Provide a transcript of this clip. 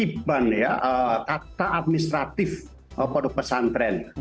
kita lakukan dalam rangka penertiban kata administratif produk pesantren